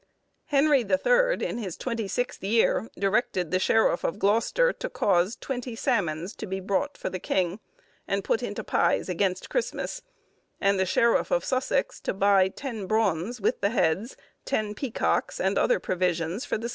Henry the Third, in his twenty sixth year, directed the sheriff of Gloucester, to cause twenty salmons to be bought for the king, and put into pies against Christmas; and the sheriff of Sussex to buy ten brawns with the heads, ten peacocks, and other provisions for the same feast.